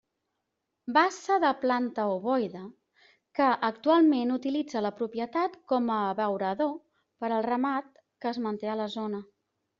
Bassa de planta ovoide, que actualment utilitza la propietat com a abeurador per al ramat que es manté a la zona.